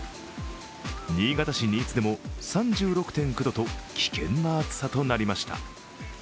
新潟市新津でも３６．９度と危険な暑さとなりました。